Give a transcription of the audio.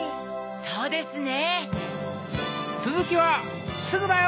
そうですね。